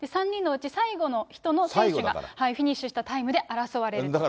３人のうち、最後の選手がフィニッシュしたタイムで争われる。